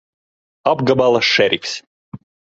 Apgabala šerifs!